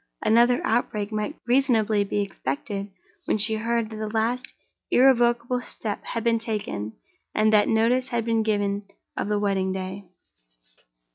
Another outbreak might reasonably be expected when she heard that the last irrevocable step had been taken, and that notice had been given of the wedding day.